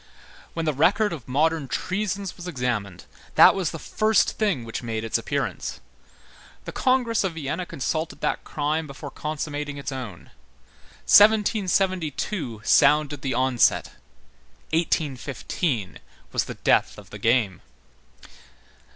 When the record of modern treasons was examined, that was the first thing which made its appearance. The congress of Vienna consulted that crime before consummating its own. 1772 sounded the onset; 1815 was the death of the game.